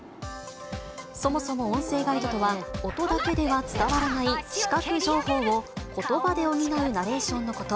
そもそも音声ガイドとは、音だけでは伝わらない視覚情報を、ことばで補うナレーションのこと。